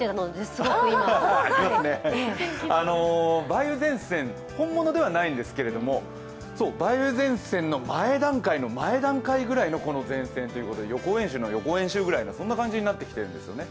梅雨前線、本物ではないんですけれども、梅雨前線の前段階の前段階ぐらいの前線ということで予行演習の予行演習ぐらいの感じになってきてるんですよね。